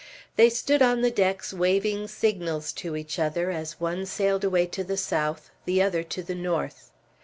They stood on the decks waving signals to each other as one sailed away to the south, the other to the north.